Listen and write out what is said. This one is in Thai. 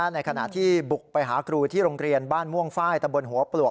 ในขณะที่บุกไปหาครูที่โรงเรียนบ้านม่วงไฟล์ตำบลหัวปลวก